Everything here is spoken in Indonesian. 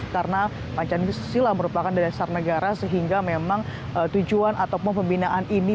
karena pancasila merupakan dasar negara sehingga memang tujuan ataupun pembinaan ini